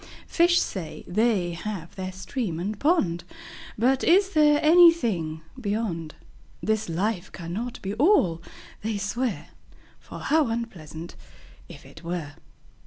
Fish say, they have their Stream and Pond; But is there anything Beyond? This life cannot be All, they swear, For how unpleasant, if it were!